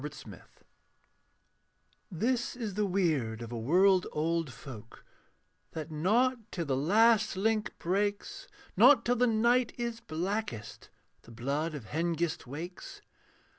AN ALLIANCE This is the weird of a world old folk, That not till the last link breaks, Not till the night is blackest, The blood of Hengist wakes.